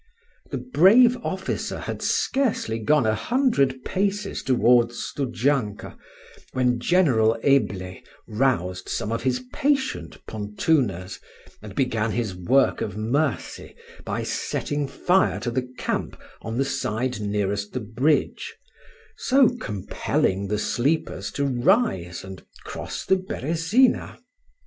[*] The brave officer had scarcely gone a hundred paces towards Studzianka, when General Eble roused some of his patient pontooners, and began his work of mercy by setting fire to the camp on the side nearest the bridge, so compelling the sleepers to rise and cross the Beresina.